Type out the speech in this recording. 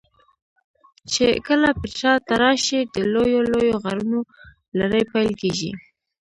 چې کله پیترا ته راشې د لویو لویو غرونو لړۍ پیل کېږي.